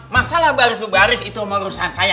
masalah baris baris itu menurut saya